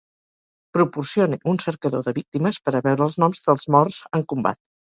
Proporcione un cercador de víctimes per a veure els noms dels morts en combat